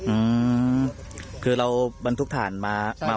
อืมคือเราบรรทุกฐานมามา